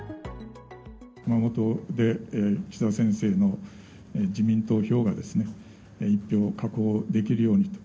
熊本で岸田先生の自民党票が、１票確保できるようにと。